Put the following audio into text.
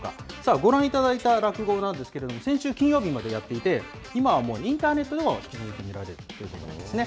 ご覧いただいた落語なんですけれども、先週金曜日までやっていて、今はもう、インターネットでも見られるということなんですね。